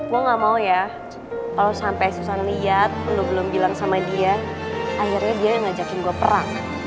gue gak mau ya kalo sampe susan liat lo belum bilang sama dia akhirnya dia yang ngajakin gue perang